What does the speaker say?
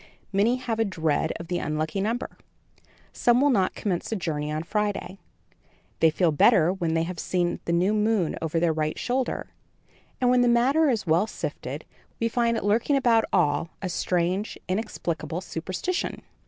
Many have a dread of the unlucky number; some will not commence a journey on Friday; they feel better when they have seen the new moon over their right shoulder, and when the matter is well sifted, we find lurking about all a strange, inexplicable superstition.